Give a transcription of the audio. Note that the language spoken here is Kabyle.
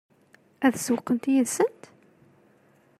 Ad sewweqent yid-sent?